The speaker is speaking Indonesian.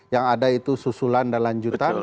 yang ada itu susulan dan lanjutan